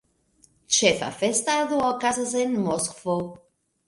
Ĉefa festado okazas en Moskvo.